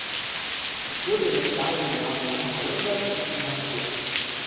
Er wurde in den vergangenen Jahren mehrfach verurteilt und inhaftiert.